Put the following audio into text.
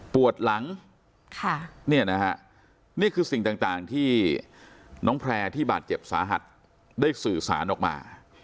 ปวดหลังนี่คือสิ่งต่างที่น้องแพร่ที่บาดเจ็บสาหัสได้สื่อสารออกมา